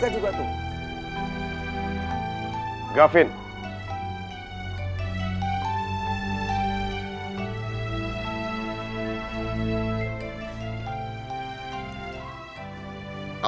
hei aku tahu geweng siapa kalinya